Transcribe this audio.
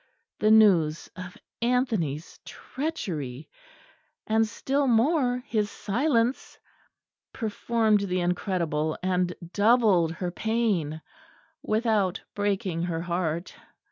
The news of Anthony's treachery, and still more his silence, performed the incredible, and doubled her pain without breaking her heart.